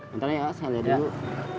bentar ya pak saya lihat dulu